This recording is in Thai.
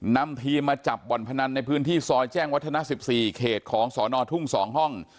นำทีมมาจับบ่อนพนันในพื้นที่ซอยแจ้งวัฒนา๑๔เขตของสอนอทุ่ง๒ห้อง